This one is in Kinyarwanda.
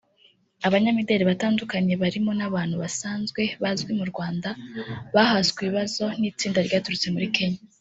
Abanyamideli batandukanye barimo n’abantu baasanzwe bazwi mu Rwanda bahaswe ibibazo n’itsinda ryaturutse muri Kenya